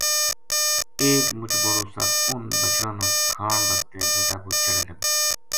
ایک مچ بڑو سپ اُنھ بچڑاں نا کھان بسطے بوٹا پو چڑھے لگو